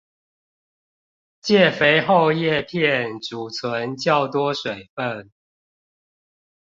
藉肥厚葉片貯存較多水分